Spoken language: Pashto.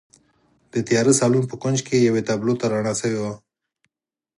د تیاره سالون په کونج کې یوې تابلو ته رڼا شوې وه